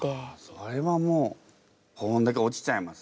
それはもうこんだけ落ちちゃいますね。